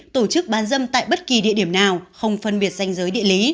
tổ chức bán dâm tại bất kỳ địa điểm nào không phân biệt danh giới địa lý